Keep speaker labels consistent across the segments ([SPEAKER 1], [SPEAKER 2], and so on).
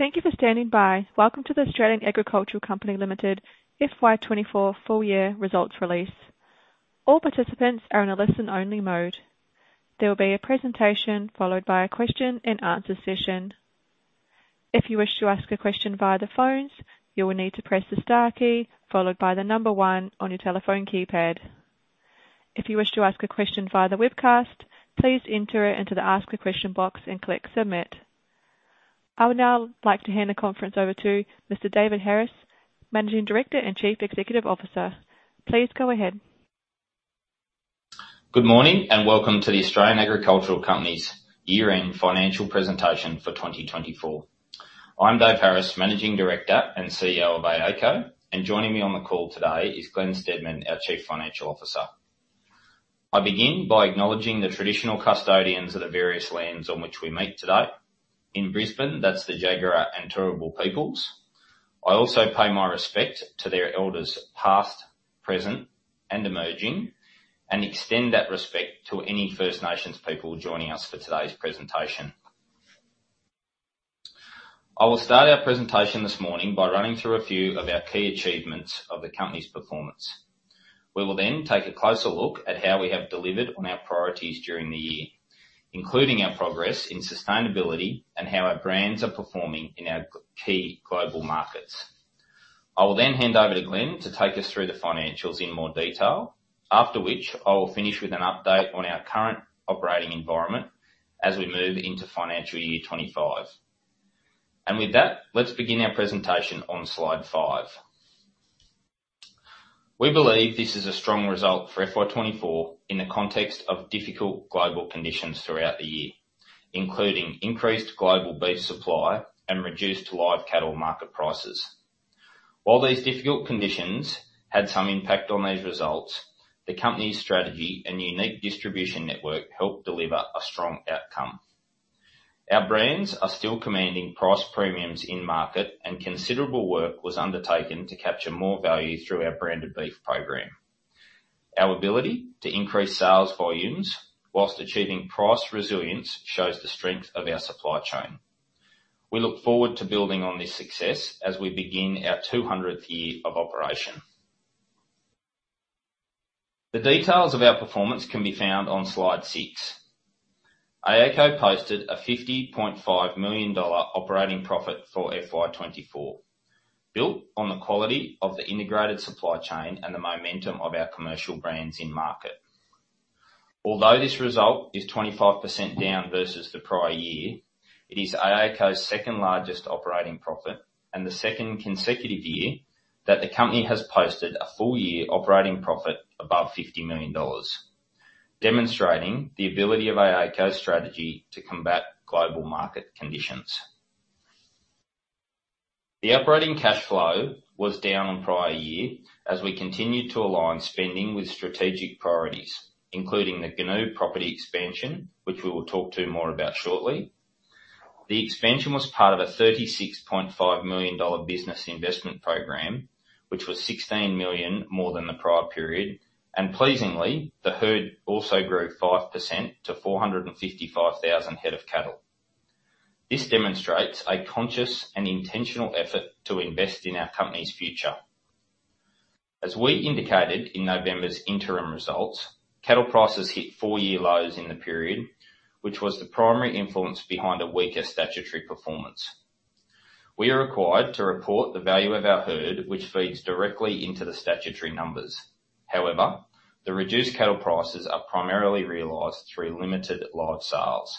[SPEAKER 1] Thank you for standing by. Welcome to the Australian Agricultural Company Limited FY 2024 Full-Year Results Release. All participants are in a listen-only mode. There will be a presentation followed by a question-and-answer session. If you wish to ask a question via the phones, you will need to press the star key followed by the number one on your telephone keypad. If you wish to ask a question via the webcast, please enter it into the Ask-a-Question box and click Submit. I would now like to hand the conference over to Mr. David Harris, Managing Director and Chief Executive Officer. Please go ahead.
[SPEAKER 2] Good morning and welcome to the Australian Agricultural Company's year-end financial presentation for 2024. I'm Dave Harris, Managing Director and CEO of AACo, and joining me on the call today is Glen Steedman, our Chief Financial Officer. I begin by acknowledging the traditional custodians of the various lands on which we meet today. In Brisbane, that's the Jagera and Turrbal peoples. I also pay my respect to their elders past, present, and emerging, and extend that respect to any First Nations people joining us for today's presentation. I will start our presentation this morning by running through a few of our key achievements of the company's performance. We will then take a closer look at how we have delivered on our priorities during the year, including our progress in sustainability and how our brands are performing in our key global markets. I will then hand over to Glen to take us through the financials in more detail, after which I will finish with an update on our current operating environment as we move into financial year 2025. With that, let's begin our presentation on slide slide. We believe this is a strong result for FY 2024 in the context of difficult global conditions throughout the year, including increased global beef supply and reduced live cattle market prices. While these difficult conditions had some impact on these results, the company's strategy and unique distribution network helped deliver a strong outcome. Our brands are still commanding price premiums in market, and considerable work was undertaken to capture more value through our branded beef program. Our ability to increase sales volumes whilst achieving price resilience shows the strength of our supply chain. We look forward to building on this success as we begin our 200th year of operation. The details of our performance can be found on slide six. AACo posted a AUD 50.5 million operating profit for FY 2024, built on the quality of the integrated supply chain and the momentum of our commercial brands in market. Although this result is 25% down versus the prior year, it is AACo's second-largest operating profit and the second consecutive year that the company has posted a full-year operating profit above 50 million dollars, demonstrating the ability of AACo's strategy to combat global market conditions. The operating cash flow was down on prior year as we continued to align spending with strategic priorities, including the Goonoo property expansion, which we will talk to more about shortly. The expansion was part of a 36.5 million dollar business investment program, which was 16 million more than the prior period. Pleasingly, the herd also grew 5% to 455,000 head of cattle. This demonstrates a conscious and intentional effort to invest in our company's future. As we indicated in November's interim results, cattle prices hit four-year lows in the period, which was the primary influence behind a weaker statutory performance. We are required to report the value of our herd, which feeds directly into the statutory numbers. However, the reduced cattle prices are primarily realized through limited live sales.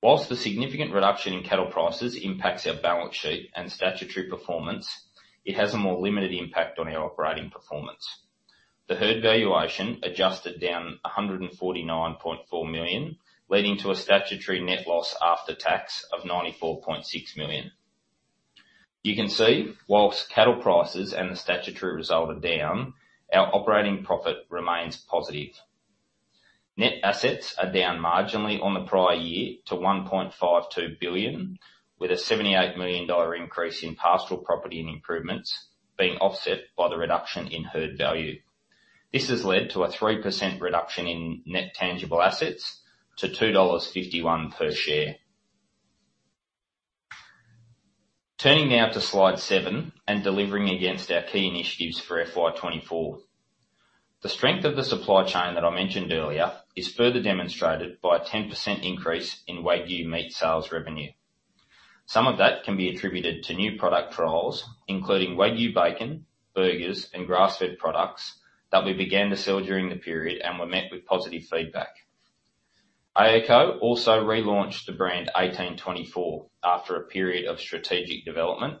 [SPEAKER 2] While the significant reduction in cattle prices impacts our balance sheet and statutory performance, it has a more limited impact on our operating performance. The herd valuation adjusted down 149.4 million, leading to a statutory net loss after tax of 94.6 million. You can see while cattle prices and the statutory result are down, our operating profit remains positive. Net assets are down marginally on the prior year to AUD 1.52 billion, with an AUD 78 million increase in pastoral property and improvements being offset by the reduction in herd value. This has led to a 3% reduction in net tangible assets to 2.51 dollars per share. Turning now to slide seven and delivering against our key initiatives for FY 2024. The strength of the supply chain that I mentioned earlier is further demonstrated by a 10% increase in Wagyu meat sales revenue. Some of that can be attributed to new product trials, including Wagyu bacon, burgers, and grass-fed products that we began to sell during the period and were met with positive feedback. AACo also relaunched the brand 1824 after a period of strategic development.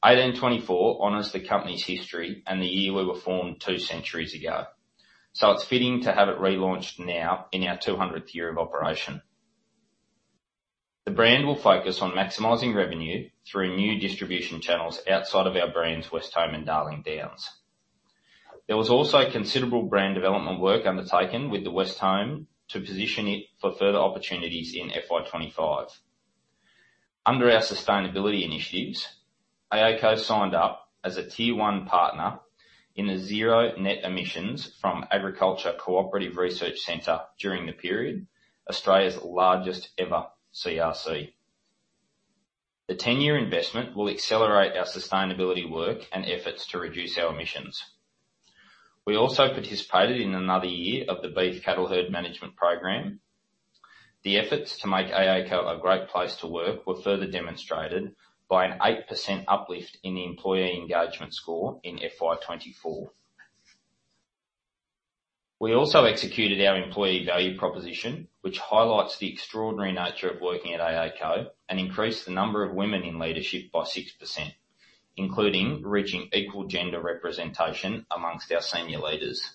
[SPEAKER 2] 1824 honors the company's history and the year we were formed two centuries ago. So it's fitting to have it relaunched now in our 200th year of operation. The brand will focus on maximizing revenue through new distribution channels outside of our brand's Westholme and Darling Downs. There was also considerable brand development work undertaken with the Westholme to position it for further opportunities in FY 2025. Under our sustainability initiatives, AACo signed up as a tier one partner in the Zero Net Emissions Agriculture Cooperative Research Centre during the period, Australia's largest ever CRC. The 10-year investment will accelerate our sustainability work and efforts to reduce our emissions. We also participated in another year of the Beef Cattle Herd Management Program. The efforts to make AACo a great place to work were further demonstrated by an 8% uplift in the employee engagement score in FY 2024. We also executed our employee value proposition, which highlights the extraordinary nature of working at AACo and increased the number of women in leadership by 6%, including reaching equal gender representation among our senior leaders.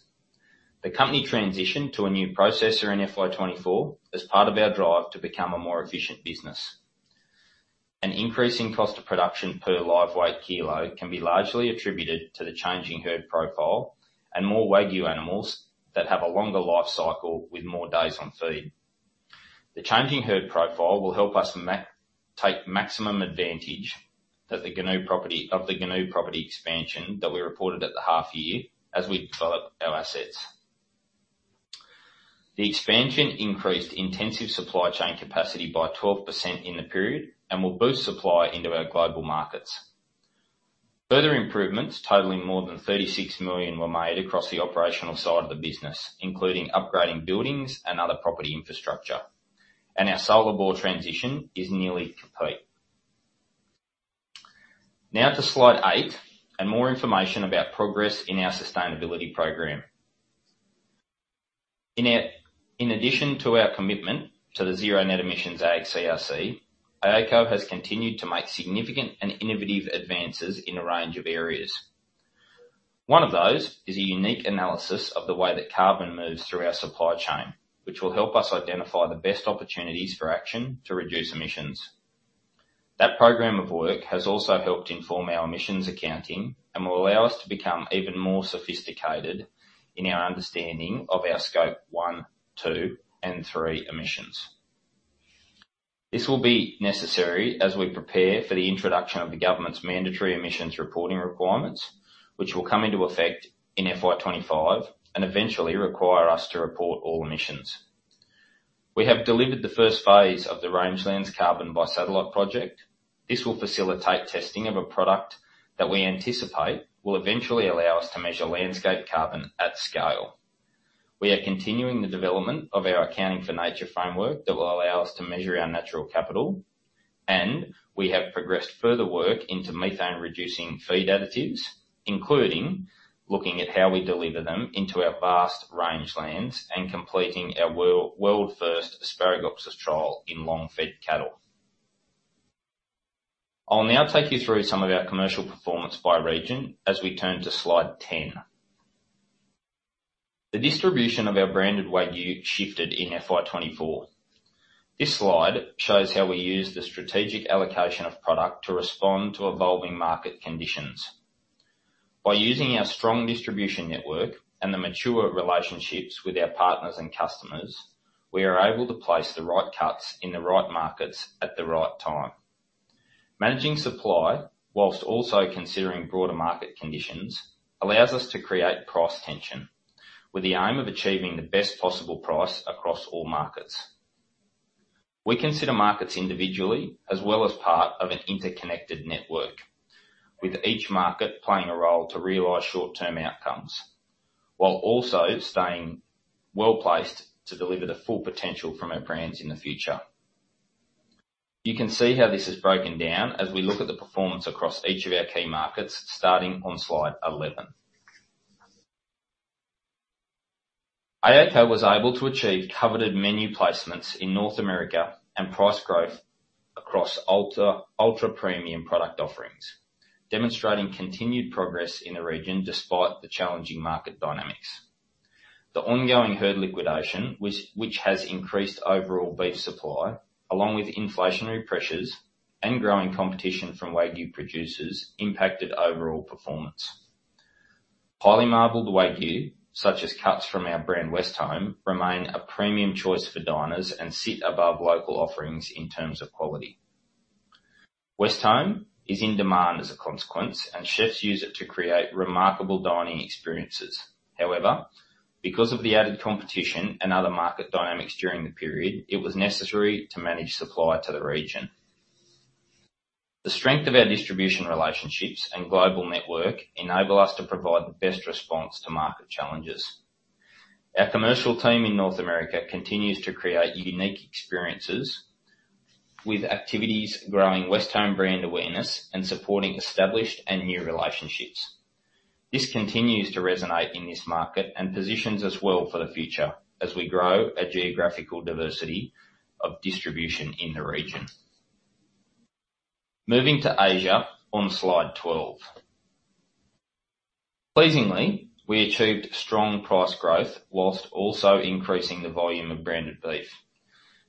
[SPEAKER 2] The company transitioned to a new processor in FY 2024 as part of our drive to become a more efficient business. An increase in cost of production per live weight kilo can be largely attributed to the changing herd profile and more Wagyu animals that have a longer life cycle with more days on feed. The changing herd profile will help us take maximum advantage of the Goonoo property expansion that we reported at the half-year as we develop our assets. The expansion increased intensive supply chain capacity by 12% in the period and will boost supply into our global markets. Further improvements totaling more than 36 million were made across the operational side of the business, including upgrading buildings and other property infrastructure. Our solar bore transition is nearly complete. Now to slide eight and more information about progress in our sustainability program. In addition to our commitment to the Zero Net Emissions Agriculture Cooperative Research Centre, AACo has continued to make significant and innovative advances in a range of areas. One of those is a unique analysis of the way that carbon moves through our supply chain, which will help us identify the best opportunities for action to reduce emissions. That program of work has also helped inform our emissions accounting and will allow us to become even more sophisticated in our understanding of our Scope 1, 2, and 3 emissions. This will be necessary as we prepare for the introduction of the government's mandatory emissions reporting requirements, which will come into effect in FY 2025 and eventually require us to report all emissions. We have delivered the first phase of the Rangelands Carbon by Satellite project. This will facilitate testing of a product that we anticipate will eventually allow us to measure landscape carbon at scale. We are continuing the development of our Accounting for Nature framework that will allow us to measure our natural capital. And we have progressed further work into methane-reducing feed additives, including looking at how we deliver them into our vast rangelands and completing our world-first Asparagopsis trial in long-fed cattle. I'll now take you through some of our commercial performance by region as we turn to slide 10. The distribution of our branded Wagyu shifted in FY 2024. This slide shows how we use the strategic allocation of product to respond to evolving market conditions. By using our strong distribution network and the mature relationships with our partners and customers, we are able to place the right cuts in the right markets at the right time. Managing supply while also considering broader market conditions allows us to create price tension with the aim of achieving the best possible price across all markets. We consider markets individually as well as part of an interconnected network, with each market playing a role to realize short-term outcomes while also staying well-placed to deliver the full potential from our brands in the future. You can see how this is broken down as we look at the performance across each of our key markets starting on slide 11. AACo was able to achieve coveted menu placements in North America and price growth across ultra-premium product offerings, demonstrating continued progress in the region despite the challenging market dynamics. The ongoing herd liquidation, which has increased overall beef supply along with inflationary pressures and growing competition from Wagyu producers, impacted overall performance. Highly marbled Wagyu, such as cuts from our brand Westholme, remain a premium choice for diners and sit above local offerings in terms of quality. Westholme is in demand as a consequence, and chefs use it to create remarkable dining experiences. However, because of the added competition and other market dynamics during the period, it was necessary to manage supply to the region. The strength of our distribution relationships and global network enabled us to provide the best response to market challenges. Our commercial team in North America continues to create unique experiences with activities growing Westholme brand awareness and supporting established and new relationships. This continues to resonate in this market and positions us well for the future as we grow our geographical diversity of distribution in the region. Moving to Asia on slide 12. Pleasingly, we achieved strong price growth while also increasing the volume of branded beef.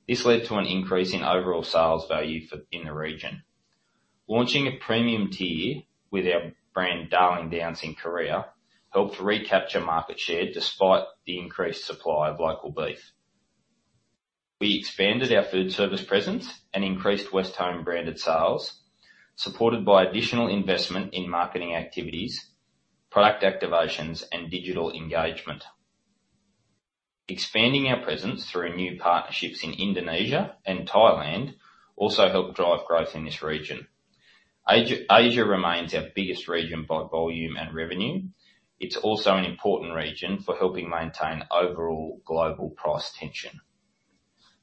[SPEAKER 2] This led to an increase in overall sales value in the region. Launching a premium tier with our brand Darling Downs in Korea helped recapture market share despite the increased supply of local beef. We expanded our food service presence and increased Westholme branded sales, supported by additional investment in marketing activities, product activations, and digital engagement. Expanding our presence through new partnerships in Indonesia and Thailand also helped drive growth in this region. Asia remains our biggest region by volume and revenue. It's also an important region for helping maintain overall global price tension.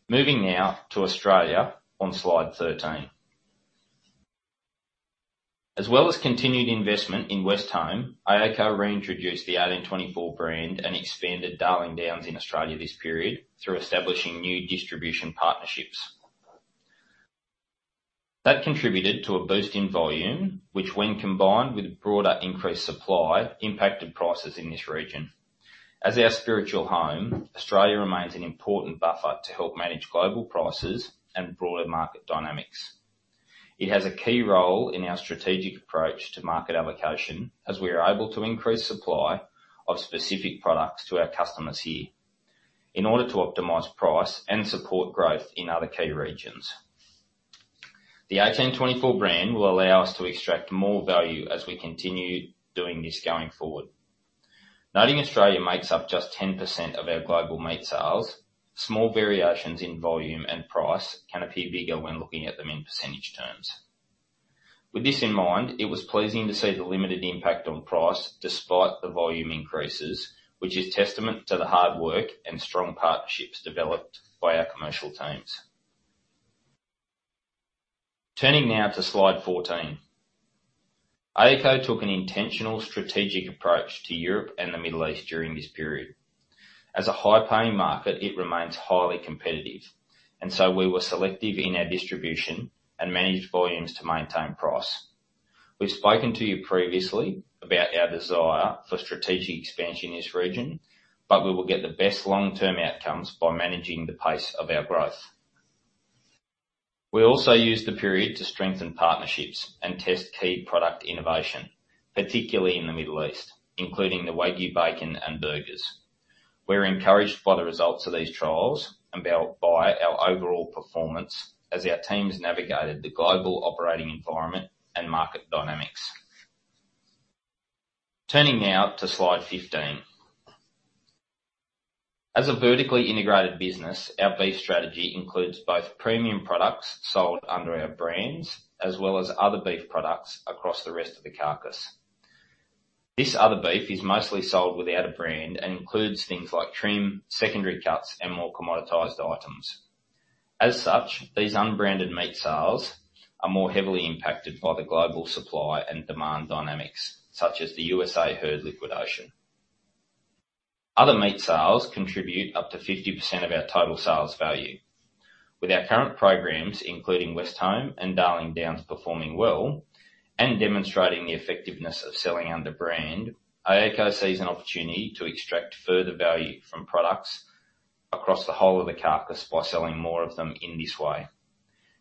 [SPEAKER 2] Moving now to Australia on slide 13. As well as continued investment in Westholme, AACo reintroduced the 1824 brand and expanded Darling Downs in Australia this period through establishing new distribution partnerships. That contributed to a boost in volume, which, when combined with broader increased supply, impacted prices in this region. As our spiritual home, Australia remains an important buffer to help manage global prices and broader market dynamics. It has a key role in our strategic approach to market allocation as we are able to increase supply of specific products to our customers here in order to optimize price and support growth in other key regions. The 1824 brand will allow us to extract more value as we continue doing this going forward. Noting Australia makes up just 10% of our global meat sales, small variations in volume and price can appear bigger when looking at them in percentage terms. With this in mind, it was pleasing to see the limited impact on price despite the volume increases, which is testament to the hard work and strong partnerships developed by our commercial teams. Turning now to slide 14. AACo took an intentional strategic approach to Europe and the Middle East during this period. As a high-paying market, it remains highly competitive. And so we were selective in our distribution and managed volumes to maintain price. We've spoken to you previously about our desire for strategic expansion in this region, but we will get the best long-term outcomes by managing the pace of our growth. We also used the period to strengthen partnerships and test key product innovation, particularly in the Middle East, including the Wagyu bacon and burgers. We're encouraged by the results of these trials and by our overall performance as our teams navigated the global operating environment and market dynamics. Turning now to slide 15. As a vertically integrated business, our beef strategy includes both premium products sold under our brands as well as other beef products across the rest of the carcass. This other beef is mostly sold without a brand and includes things like trim, secondary cuts, and more commoditized. As such, these unbranded meat sales are more heavily impacted by the global supply and demand dynamics such as the USA herd liquidation. Other meat sales contribute up to 50% of our total sales value. With our current programs, including Westholme and Darling Downs performing well and demonstrating the effectiveness of selling under brand, AACo sees an opportunity to extract further value from products across the whole of the carcass by selling more of them in this way.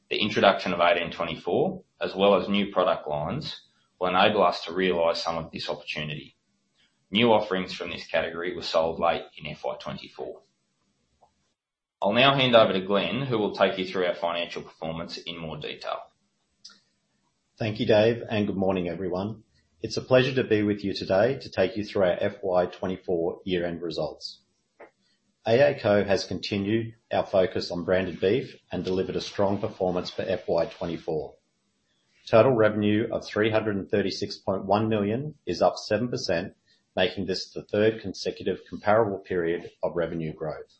[SPEAKER 2] The introduction of 1824 as well as new product lines will enable us to realize some of this opportunity. New offerings from this category were sold late in FY 2024. I'll now hand over to Glen, who will take you through our financial performance in more detail.
[SPEAKER 3] Thank you, Dave, and good morning, everyone. It's a pleasure to be with you today to take you through our FY 2024 year-end results. AACo has continued our focus on branded beef and delivered a strong performance for FY 2024. Total revenue of 336.1 million is up 7%, making this the third consecutive comparable period of revenue growth.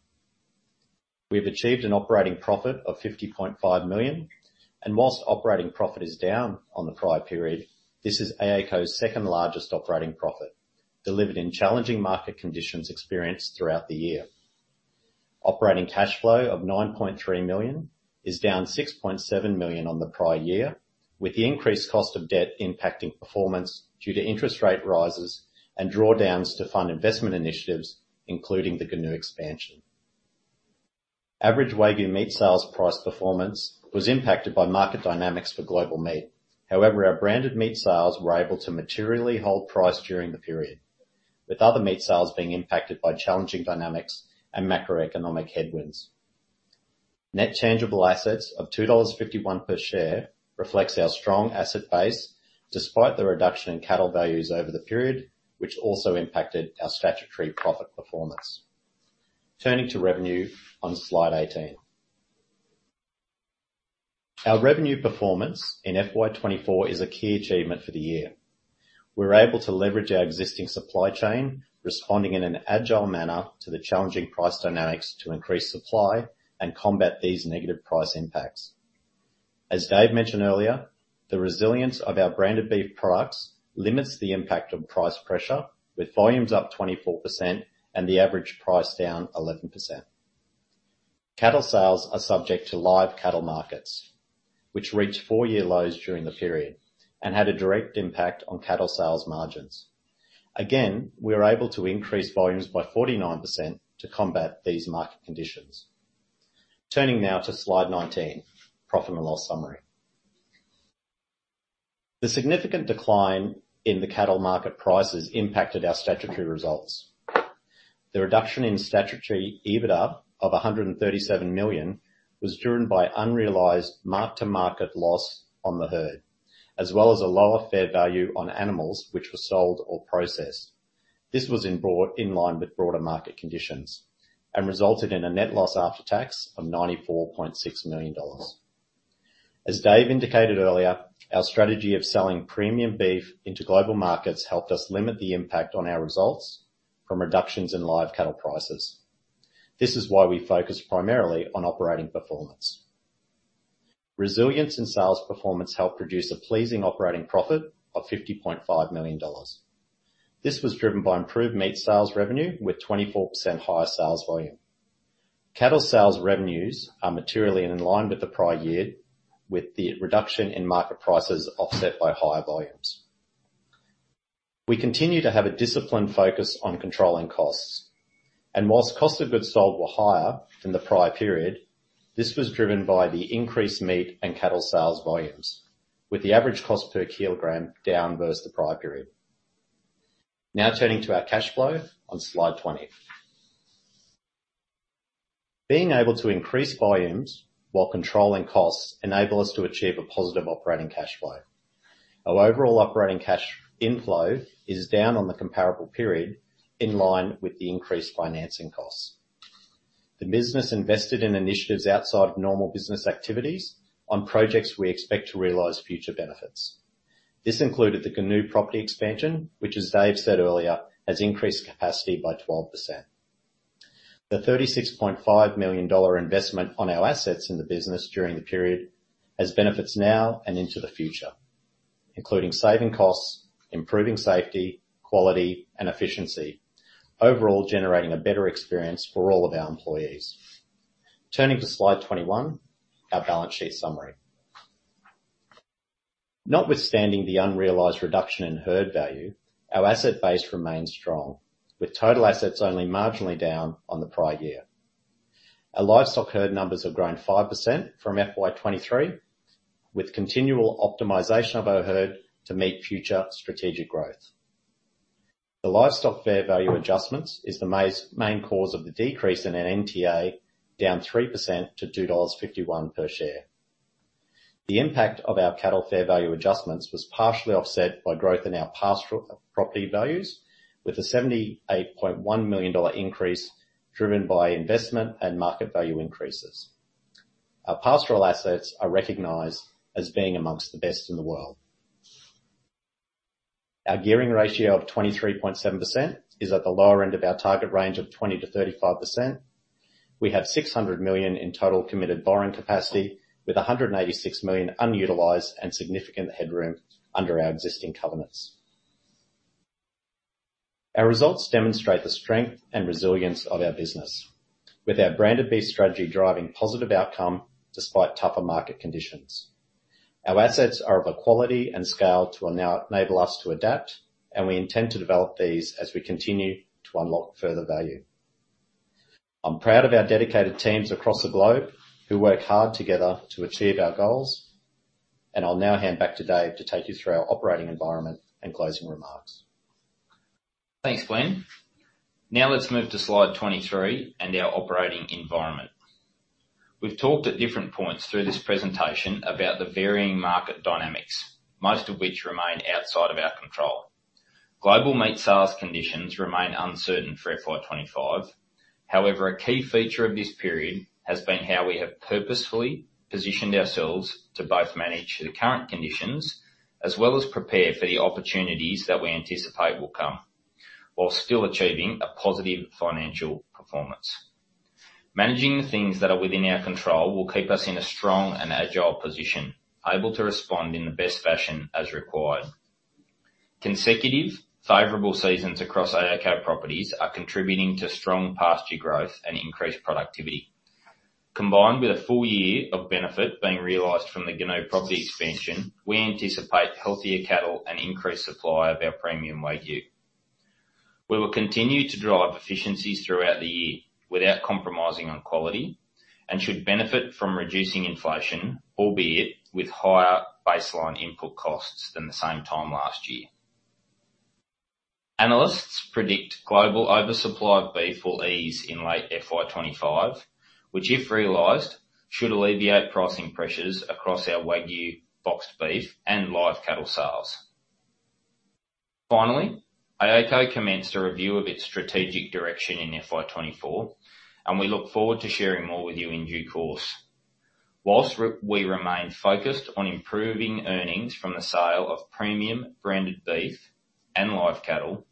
[SPEAKER 3] We've achieved an operating profit of 50.5 million. While operating profit is down on the prior period, this is AACo's second largest operating profit delivered in challenging market conditions experienced throughout the year. Operating cash flow of 9.3 million is down 6.7 million on the prior year, with the increased cost of debt impacting performance due to interest rate rises and drawdowns to fund investment initiatives, including the Goonoo expansion. Average Wagyu meat sales price performance was impacted by market dynamics for global meat. However, our branded meat sales were able to materially hold price during the period, with other meat sales being impacted by challenging dynamics and macroeconomic headwinds. Net Tangible Assets of 2.51 dollars per share reflects our strong asset base despite the reduction in cattle values over the period, which also impacted our statutory profit performance. Turning to revenue on slide 18. Our revenue performance in FY24 is a key achievement for the year. We're able to leverage our existing supply chain, responding in an agile manner to the challenging price dynamics to increase supply and combat these negative price impacts. As Dave mentioned earlier, the resilience of our branded beef products limits the impact of price pressure, with volumes up 24% and the average price down 11%. Cattle sales are subject to live cattle markets, which reached four-year lows during the period and had a direct impact on cattle sales margins. Again, we were able to increase volumes by 49% to combat these market conditions. Turning now to slide 19, profit and loss summary. The significant decline in the cattle market prices impacted our statutory results. The reduction in statutory EBITDA of 137 million was driven by unrealized mark-to-market loss on the herd as well as a lower fair value on animals, which were sold or processed. This was in line with broader market conditions and resulted in a net loss after tax of 94.6 million dollars. As Dave indicated earlier, our strategy of selling premium beef into global markets helped us limit the impact on our results from reductions in live cattle prices. This is why we focus primarily on operating performance. Resilience in sales performance helped produce a pleasing operating profit of 50.5 million dollars. This was driven by improved meat sales revenue with 24% higher sales volume. Cattle sales revenues are materially in line with the prior year, with the reduction in market prices offset by higher volumes. We continue to have a disciplined focus on controlling costs. While Cost of Goods Sold were higher than the prior period, this was driven by the increased meat and cattle sales volumes, with the average cost per kilogram down versus the prior period. Now turning to our cash flow on slide 20. Being able to increase volumes while controlling costs enables us to achieve a positive operating cash flow. Our overall operating cash inflow is down on the comparable period in line with the increased financing costs. The business invested in initiatives outside of normal business activities on projects we expect to realize future benefits. This included the Goonoo property expansion, which, as Dave said earlier, has increased capacity by 12%. The 36.5 million dollar investment on our assets in the business during the period has benefits now and into the future, including saving costs, improving safety, quality, and efficiency, overall generating a better experience for all of our employees. Turning to slide 21, our balance sheet summary. Notwithstanding the unrealised reduction in herd value, our asset base remains strong, with total assets only marginally down on the prior year. Our livestock herd numbers have grown 5% from FY 2023, with continual optimization of our herd to meet future strategic growth. The livestock fair value adjustments are the main cause of the decrease in NTA, down 3% to 2.51 dollars per share. The impact of our cattle fair value adjustments was partially offset by growth in our pastoral property values, with a 78.1 million dollar increase driven by investment and market value increases. Our pastoral assets are recognized as being among the best in the world. Our gearing ratio of 23.7% is at the lower end of our target range of 20%-35%. We have 600 million in total committed borrowing capacity, with 186 million unutilized and significant headroom under our existing covenants. Our results demonstrate the strength and resilience of our business, with our branded beef strategy driving positive outcomes despite tougher market conditions. Our assets are of a quality and scale to enable us to adapt, and we intend to develop these as we continue to unlock further value. I'm proud of our dedicated teams across the globe who work hard together to achieve our goals. I'll now hand back to Dave to take you through our operating environment and closing remarks.
[SPEAKER 2] Thanks, Glen. Now let's move to slide 23 and our operating environment. We've talked at different points through this presentation about the varying market dynamics, most of which remain outside of our control. Global meat sales conditions remain uncertain for FY 2025. However, a key feature of this period has been how we have purposefully positioned ourselves to both manage the current conditions as well as prepare for the opportunities that we anticipate will come while still achieving a positive financial performance. Managing the things that are within our control will keep us in a strong and agile position, able to respond in the best fashion as required. Consecutive favorable seasons across AACo properties are contributing to strong pasture growth and increased productivity. Combined with a full year of benefit being realized from the Goonoo property expansion, we anticipate healthier cattle and increased supply of our premium Wagyu. We will continue to drive efficiencies throughout the year without compromising on quality and should benefit from reducing inflation, albeit with higher baseline input costs than the same time last year. Analysts predict global oversupply of beef will ease in late FY 2025, which, if realized, should alleviate pricing pressures across our Wagyu boxed beef and live cattle sales. Finally, AACo commenced a review of its strategic direction in FY 2024, and we look forward to sharing more with you in due course. While we remain focused on improving earnings from the sale of premium branded beef and live cattle,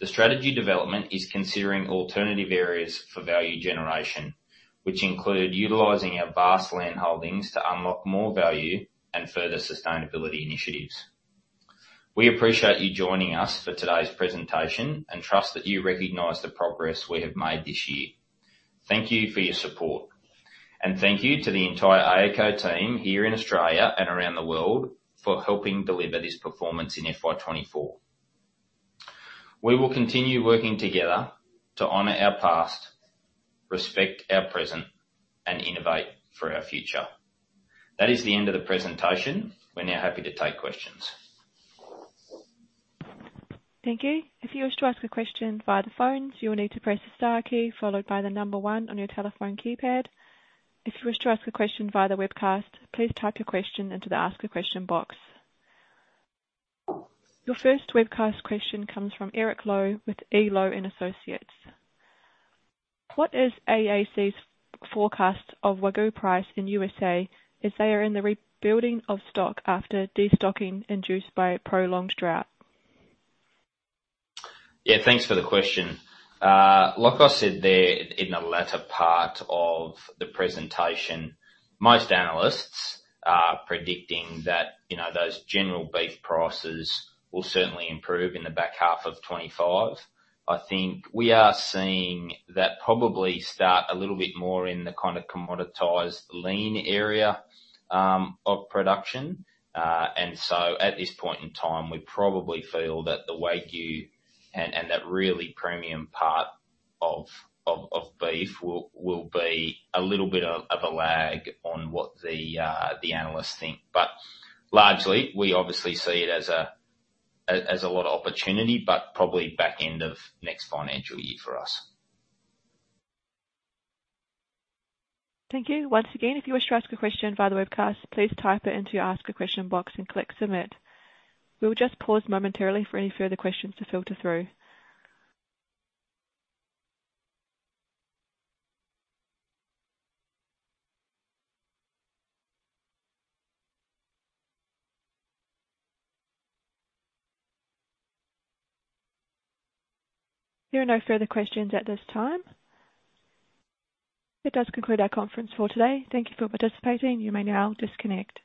[SPEAKER 2] the strategy development is considering alternative areas for value generation, which include utilizing our vast land holdings to unlock more value and further sustainability initiatives. We appreciate you joining us for today's presentation and trust that you recognize the progress we have made this year. Thank you for your support. Thank you to the entire AACo team here in Australia and around the world for helping deliver this performance in FY 2024. We will continue working together to honor our past, respect our present, and innovate for our future. That is the end of the presentation. We're now happy to take questions.
[SPEAKER 1] Thank you. If you wish to ask a question via the phones, you will need to press the star key followed by the number one on your telephone keypad. If you wish to ask a question via the webcast, please type your question into the ask-a-question box. Your first webcast question comes from Eric Lowe with ELOC & Associates. What is AACo's forecast of Wagyu price in the USA as they are in the rebuilding of stock after destocking induced by prolonged drought?
[SPEAKER 2] Yeah, thanks for the question. Like I said there in a later part of the presentation, most analysts are predicting that those general beef prices will certainly improve in the back half of 2025. I think we are seeing that probably start a little bit more in the kind of commoditised, lean area of production. And so at this point in time, we probably feel that the Wagyu and that really premium part of beef will be a little bit of a lag on what the analysts think. But largely, we obviously see it as a lot of opportunity, but probably back end of next financial year for us.
[SPEAKER 1] Thank you. Once again, if you wish to ask a question via the webcast, please type it into your ask-a-question box and click submit. We will just pause momentarily for any further questions to filter through. There are no further questions at this time. It does conclude our conference for today. Thank you for participating. You may now disconnect.